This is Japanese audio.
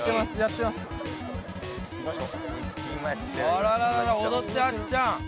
あらららら踊ってあっちゃん。